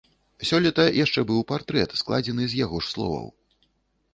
Сёлета яшчэ быў партрэт, складзены з яго ж словаў.